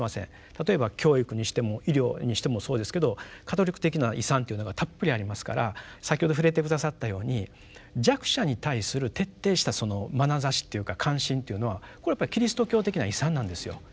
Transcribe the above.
例えば教育にしても医療にしてもそうですけどカトリック的な遺産というのがたっぷりありますから先ほど触れて下さったように弱者に対する徹底したまなざしっていうか関心というのはこれはキリスト教的な遺産なんですよ。